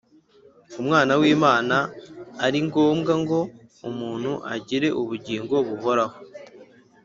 Umwana w'Imana ari ngombwa ngo umuntu agire ubugingo buhoraho?